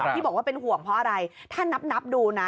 ที่บอกว่าเป็นห่วงเพราะอะไรถ้านับดูนะ